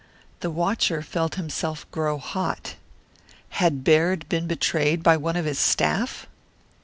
The watcher felt himself grow hot. Had Baird been betrayed by one of his staff?